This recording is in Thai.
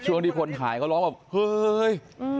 ช่วงที่คนถ่ายเขาร้องแบบเฮ้ย